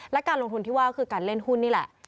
และการลงทุนที่ว่าคือการเล่นหุ้นนี่แหละ